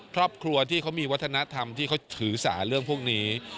ครอบครัวที่เขามีวัฒนธรรมที่เขาถือสาเรื่องพวกนี้